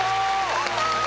やったー！